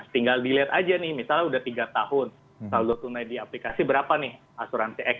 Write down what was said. tinggal dilihat aja nih misalnya udah tiga tahun saldo tunai di aplikasi berapa nih asuransi x